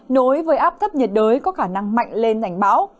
nối với áp thấp nhiệt đới có khả năng mạnh lên rảnh báo